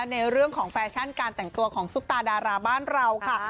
ในเรื่องของแฟชั่นการแต่งตัวของซุปตาดาราบ้านเราค่ะ